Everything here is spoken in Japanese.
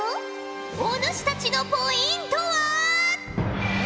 お主たちのポイントは。